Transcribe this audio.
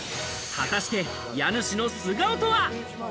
果たして家主の素顔とは？